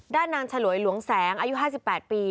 ด้านนางฉลวยหลวงแสงอายุ๕๘ปี